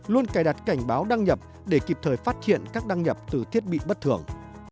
luôn cài đặt cảnh báo đăng nhập để kịp thời phát hiện các đăng nhập từ thiết bị bất thường